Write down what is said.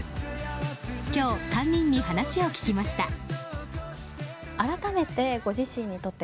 今日、３人に話を聞きました。